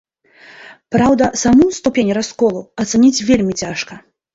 Праўда, саму ступень расколу ацаніць вельмі цяжка.